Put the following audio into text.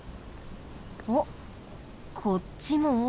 おっこっちも。